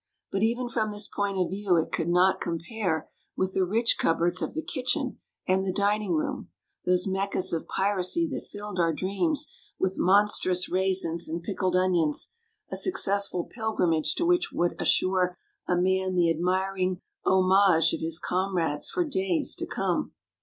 But even from this point of view it could not compare with the rich cupboards of the kitchen and the dining room, those Meccas of piracy that filled our dreams with monstrous raisins and pickled onions, a suc cessful pilgrimage to which would assure a man the admiring homage of his comrades for days to come.